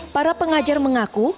para pengajar mengaku